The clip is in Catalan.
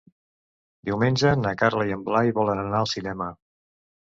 Diumenge na Carla i en Blai volen anar al cinema.